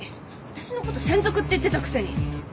私のこと専属って言ってたくせに。